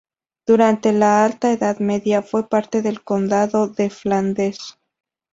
Durante la alta Edad Media fue parte del Condado de Flandes.